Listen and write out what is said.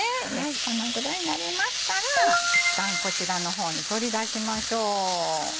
このぐらいになりましたらいったんこちらの方に取り出しましょう。